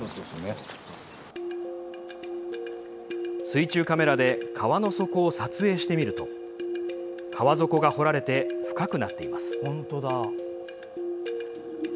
水中カメラで川の底を撮影してみると川底が掘られて深くなっています。